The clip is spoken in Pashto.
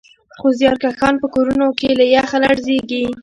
خو زیارکښان په کورونو کې له یخه لړزېږي